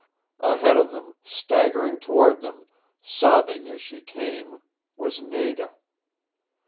Ahead of them, staggering toward them, sobbing as she came, was Nada.